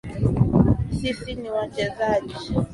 Sisi ni wachezaji